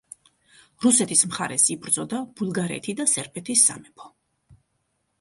რუსეთის მხარეს იბრძოდა ბულგარეთი და სერბეთის სამეფო.